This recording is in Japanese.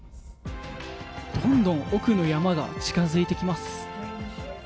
どんどん奥の山が近づいてきます。